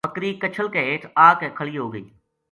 بکری کچھل کے ہیٹھ آ کے کھلی ہو گئی